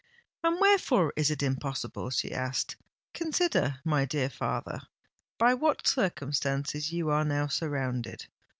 "And wherefore is it impossible?" she asked. "Consider, my dear father, by what circumstances you are now surrounded.